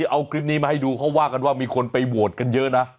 เอาคลิปนี้มาให้ดูเขาว่ากันว่ามีคนไปโหวตกันเยอะนะ